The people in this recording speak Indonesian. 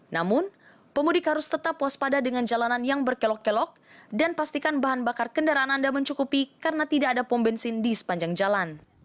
namun pemudik harus tetap waspada dengan jalanan yang berkelok kelok dan pastikan bahan bakar kendaraan anda mencukupi karena tidak ada pom bensin di sepanjang jalan